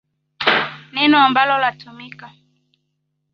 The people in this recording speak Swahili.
Nneno ambalo latumika.